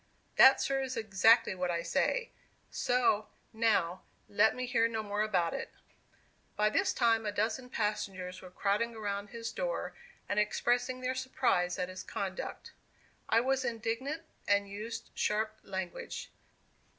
"That, sir, is exactly what I say. So, now, let me hear no more about it." By this time a dozen passengers were crowding around his door, and expressing their surprise at his conduct. I was indignant, and used sharp language.